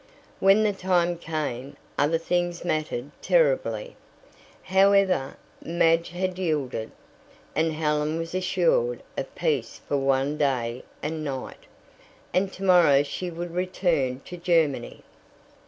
When the time came, other things mattered terribly. However, Madge had yielded, and Helen was assured of peace for one day and night, and tomorrow she would return to Germany.